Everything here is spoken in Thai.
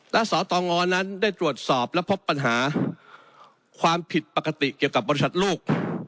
และสตงนั้นได้ตรวจสอบและพบปัญหาความผิดปกติเกี่ยวกับบริษัทลูก